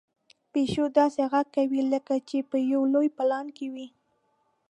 پيشو داسې غږ کوي لکه چې په یو لوی پلان کې وي.